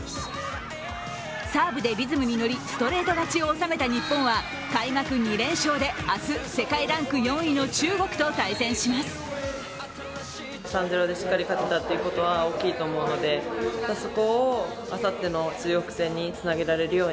サーブでリズムに乗りストレート勝ちを収めた日本は開幕２連勝で明日、世界ランク４位の中国と対戦します。